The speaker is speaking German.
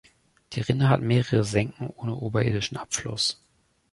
Die Rinne hat mehrere Senken ohne oberirdischen Abfluss.